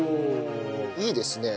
いいですね